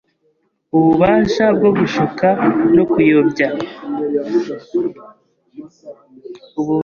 ububasha bwo gushuka no kuyobya.